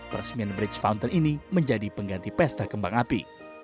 peresmian bridge founder ini menjadi pengganti pesta kembang api